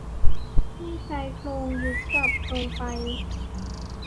ให้ชายโครงยุบกลับลงไป